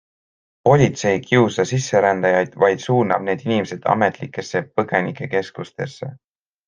Politsei ei kiusa sisserändajaid, vaid suunab need inimesed ametlikesse põgenikekeskustesse.